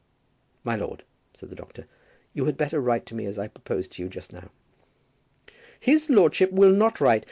"My lord," said the doctor, "you had better write to me as I proposed to you just now." "His lordship will not write.